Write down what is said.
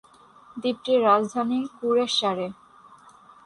দ্বীপটির রাজধানী কুরেসসারে।